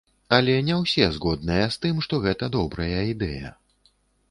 Але не ўсе згодныя з тым, што гэта добрая ідэя.